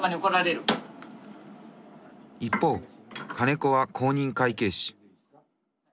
一方金子は公認会計士。